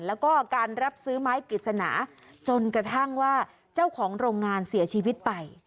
แล้วก็การรับซื้อไม้กฤษณาจนกระทั่งว่าเจ้าของโรงงานเสียชีวิตไป